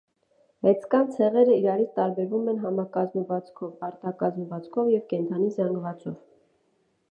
Հեծկան ցեղերը իրարից տարբերվում են համակազմվածքով, արտակազմվածքով և կենդանի զանգվածով։